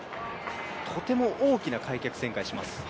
とても大きな開脚旋回します。